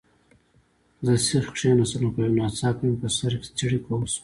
زه سیخ کښېناستم، خو یو ناڅاپه مې په سر کې څړیکه وشول.